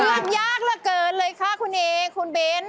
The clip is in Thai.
เลือกยากเหลือเกินเลยค่ะคุณเอคุณเบ้น